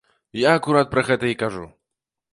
Я акурат пра гэта і кажу.